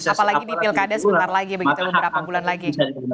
apalagi di pilkada sebentar lagi begitu beberapa bulan lagi